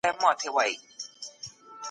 د نورو حق مه ضايع کوئ.